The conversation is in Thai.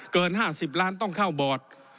เกิน๕๐ล้านต้องเข้าบอร์ด